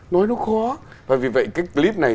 nói nó khó và vì vậy cái clip này